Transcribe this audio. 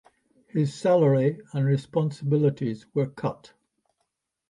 His salary and responsibilities were cut.